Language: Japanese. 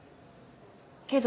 けど。